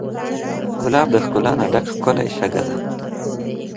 ګلاب د ښکلا نه ډک ښکلی شګه دی.